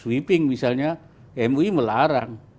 sweeping misalnya mui melarang